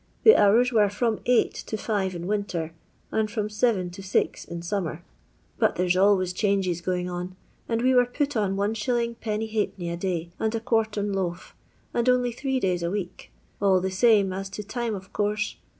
The hours were from eight to five in winter, and from seven to six in summer. But there 's always changes going on, and we were put on If. l^d, a day and a quartern loaf, and only three days a week. All the same as to time of course.